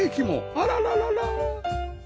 あらららら